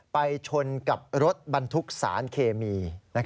ไปชนกับรถบรรทุกสารเคมี